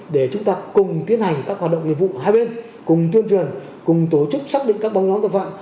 để chúng ta cùng tiến hành các hoạt động liên vụ hai bên cùng tuyên truyền cùng tổ chức xác định các bóng đón tập phạm